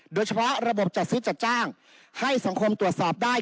ระบบจัดซื้อจัดจ้างให้สังคมตรวจสอบได้